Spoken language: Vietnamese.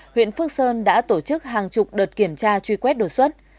huyện phước sơn đã tổ chức hàng chục đợt kiểm tra truy quét đột xuất